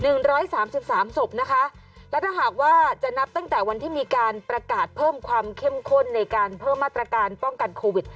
หนึ่งร้อยสามสิบสามศพนะคะและถ้าหากว่าจะนับตั้งแต่วันที่มีการประกาศเพิ่มความเข้มข้นในการเพิ่มมาตรการป้องกันโควิด